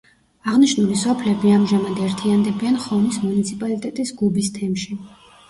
აღნიშნული სოფლები ამჟამად ერთიანდებიან ხონის მუნიციპალიტეტის გუბის თემში.